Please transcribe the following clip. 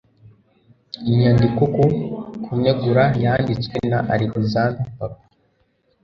inyandiko ku kunegura yanditswe na alexander papa